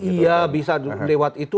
iya bisa lewat itu